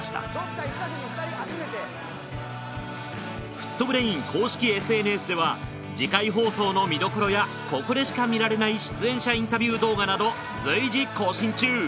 『ＦＯＯＴ×ＢＲＡＩＮ』公式ＳＮＳでは次回放送の見どころやここでしか見られない出演者インタビュー動画など随時更新中。